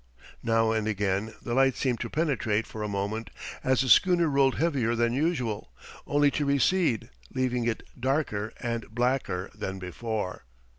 Now and again, the light seemed to penetrate for a moment as the schooner rolled heavier than usual, only to recede, leaving it darker and blacker than before.